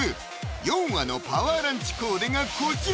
ヨンアのパワーランチコーデがこちら！